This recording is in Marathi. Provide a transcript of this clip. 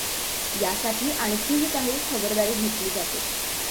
यासाठी आणखीही काही खबरदारी घेतली जाते.